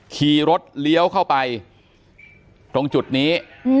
ขี่รถเลี้ยวเข้าไปตรงจุดนี้